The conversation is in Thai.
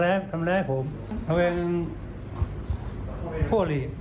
แต่มันตูมันลั่นใช่ไหมครับ